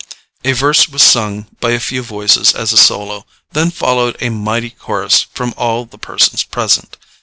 A verse was sung by a few voices as a solo; then followed a mighty chorus from all the persons present.